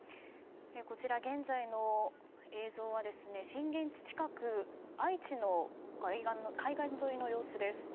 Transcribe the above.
現在の映像は震源地近く愛知の海岸沿いの様子です。